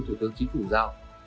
từ tướng chính phủ giao